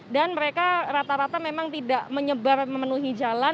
dan mereka rata rata memang tidak menyebar memenuhi jalan